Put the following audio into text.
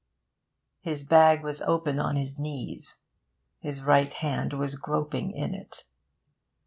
His bag was open on his knees. His right hand was groping in it.